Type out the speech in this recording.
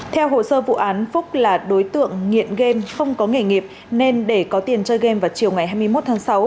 theo hồ sơ vụ án phúc là đối tượng nghiện game không có nghề nghiệp nên để có tiền chơi game vào chiều ngày hai mươi một tháng sáu